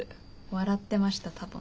笑ってました多分。